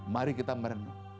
mari kita merenung